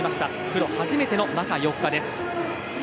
プロ初めての中４日です。